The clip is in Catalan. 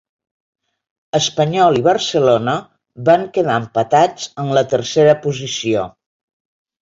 Espanyol i Barcelona van quedar empatats en la tercera posició.